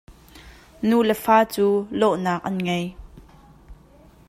Nu le fa cu lawhnak an ngei.